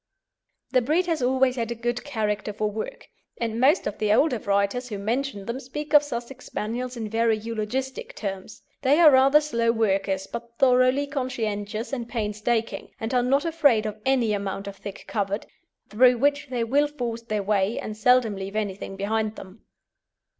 The breed has always had a good character for work, and most of the older writers who mention them speak of Sussex Spaniels in very eulogistic terms. They are rather slow workers, but thoroughly conscientious and painstaking, and are not afraid of any amount of thick covert, through which they will force their way, and seldom leave anything behind them.